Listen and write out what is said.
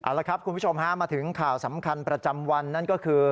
เอาละครับคุณผู้ชมฮะมาถึงข่าวสำคัญประจำวันนั่นก็คือ